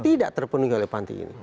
tidak terpenuhi oleh panti ini